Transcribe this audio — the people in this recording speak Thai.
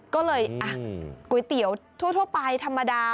ก็เลยก๋วยเตี๋ยวทั่วไปธรรมดา